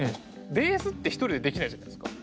ベースって一人じゃできないじゃないですか。